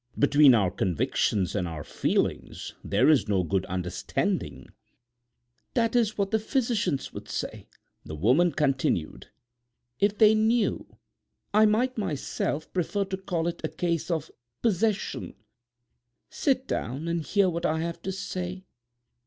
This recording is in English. Between our convictions and our feelings there is no good understanding. "That is what the physicians would say," the woman continued—"if they knew. I might myself prefer to call it a case of 'possession.' Sit down and hear what I have to say."